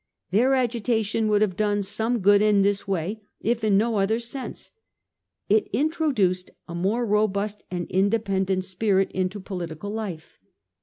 Their agitation would have done some good in this way, if in no other sense. It introduced a more robust and independent spirit into political life.